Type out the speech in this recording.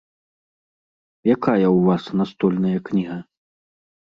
Якая ў вас настольная кніга?